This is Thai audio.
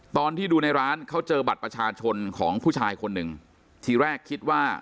ตอนที่ดูในร้านเขาเจอบัตรประชาชนของผู้ชายคนหนึ่งทีแรกคิดว่า